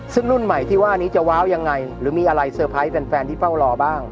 ซึ่งรุ่นใหม่ที่ว่านี้จะว้าวยังไงหรือมีอะไรเซอร์ไพรส์แฟนที่เฝ้ารอบ้าง